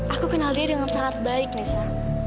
aku kenal dia dengan sangat baik nisa